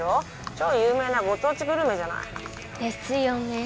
超有名なご当地グルメじゃないですよね